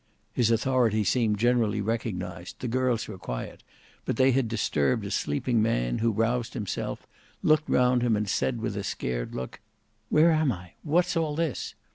His authority seemed generally recognized, the girls were quiet, but they had disturbed a sleeping man, who roused himself, looked around him and said with a scared look, "Where am I? What's all this?"